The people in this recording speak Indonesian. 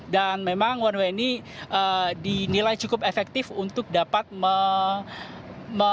dan memang one way ini dinilai cukup efektif untuk dapat mengembang